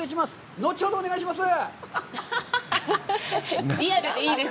後ほどお願いします！